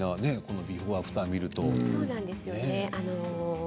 ビフォーアフターを見ると。